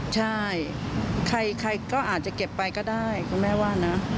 ใช่ใครก็อาจจะเก็บไปก็ได้คุณแม่ว่านะ